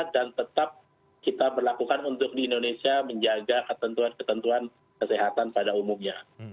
dan tetap kita berlakukan untuk di indonesia menjaga ketentuan ketentuan kesehatan pada umumnya